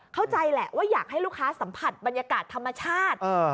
เข้าใจแหละว่าอยากให้ลูกค้าสัมผัสบรรยากาศธรรมชาติ